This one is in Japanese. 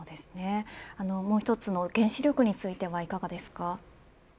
もう１つの原子力についてはいかがですか。